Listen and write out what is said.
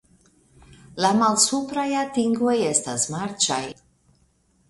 La malsupraj atingoj estas marĉaj.